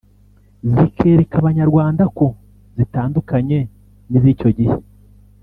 zikereka abanyarwanda ko zitandukanye n’iz’icyo gihe